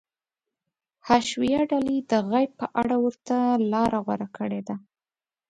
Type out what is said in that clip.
حشویه ډلې د غیب په اړه ورته لاره غوره کړې ده.